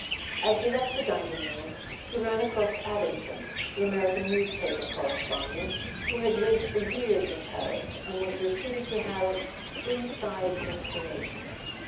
As he left the dining room he ran across Adamson, the American newspaper correspondent, who had lived for years in Paris and was reputed to have "inside in¬ formation."